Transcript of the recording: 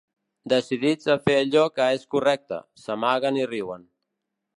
Decidits a fer allò que és correcte, s'amaguen i riuen.